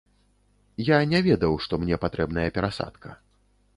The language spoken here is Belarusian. Я не ведаў, што мне патрэбная перасадка.